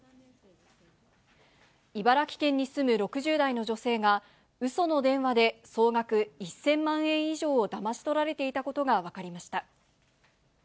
茨城県に住む６０代の女性がうその電話で総額１０００万円以上をだまし取られていたことが分かりました。